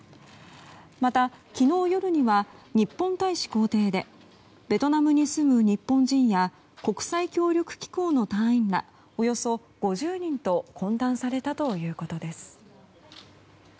また、昨日夜には日本大使公邸でベトナムに住む日本人や国際協力機構の隊員らおよそ５０人と懇談されたということです。